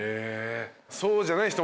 そうじゃない人